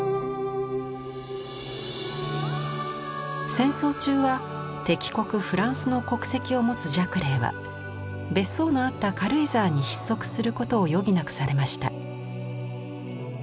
戦争中は敵国フランスの国籍を持つジャクレーは別荘のあった軽井沢に逼塞することを余儀なくされました。